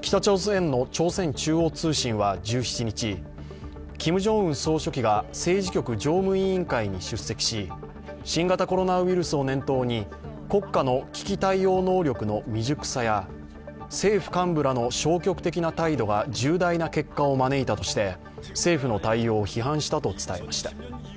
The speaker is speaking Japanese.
北朝鮮の朝鮮中央通信は１７日キム・ジョンウン総書記が政治局常務委員会に出席し新型コロナウイルスを念頭に国家の危機対応能力の未熟さや政府幹部らの消極的な態度が重大な結果を招いたとして、政府の対応を批判したと伝えました。